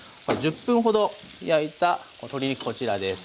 １０分ほど焼いた鶏肉こちらです。